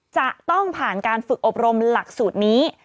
จะต้องผ่านการฝึกอบรมหลักสูตรนี้